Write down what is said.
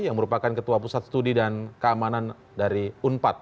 yang merupakan ketua pusat studi dan keamanan dari unpad